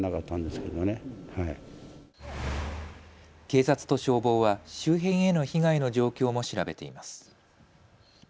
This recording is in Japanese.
警察と消防は周辺への被害の状況も調べています。